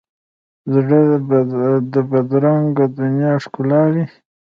زړه د بدرنګه دنیا ښکلاوي.